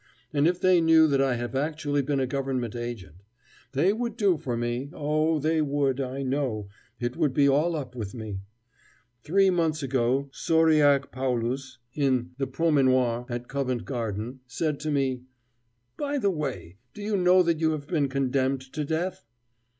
And if they knew that I have actually been a Government agent; they would do for me, oh, they would, I know, it would be all up with me. Three months ago Sauriac Paulus in the promenoire at Covent Garden, said to me: "By the way, do you know that you have been condemned to death?"